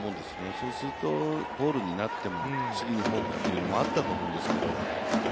そうすると、ボールになっても次にフォークっていうのもあったと思うんですけど。